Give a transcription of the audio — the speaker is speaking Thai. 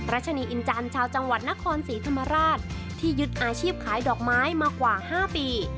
รัชนีอินจันทร์ชาวจังหวัดนครศรีธรรมราชที่ยึดอาชีพขายดอกไม้มากว่า๕ปี